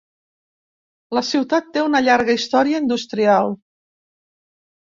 La ciutat té una llarga història industrial.